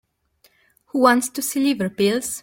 Who wants to see liver pills?